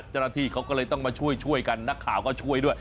เจ้าหน้าที่เขาก็เลยต้องมาช่วยกันนักข่าวก็ช่วยด้วย